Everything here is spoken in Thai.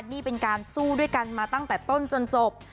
นี่เป็นการสู้ด้วยกันมาตั้งแต่ต้นจนจบ